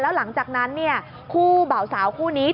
แล้วหลังจากนั้นเนี่ยคู่เบาสาวคู่นี้